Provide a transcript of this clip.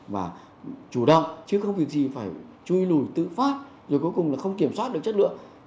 và chủ động chứ không việc gì phải chui lùi tự phát rồi cuối cùng là không kiểm soát được chất lượng